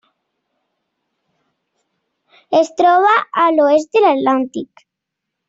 Es troba a l'oest de l'Atlàntic.